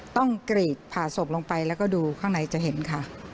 กรีดผ่าศพลงไปแล้วก็ดูข้างในจะเห็นค่ะ